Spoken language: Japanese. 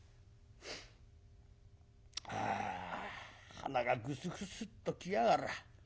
鼻がグスグスっときやがら。